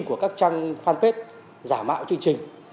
của các trang fanpage giả mạo chương trình